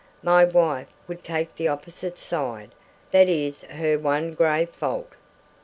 My wife would take the opposite side; that is her one grave fault.